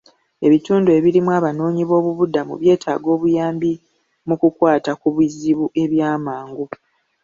Ebitundu ebirimu Abanoonyi b'obubudamu byetaaga obuyambi mu kukwata ku bizibu ebyamangu.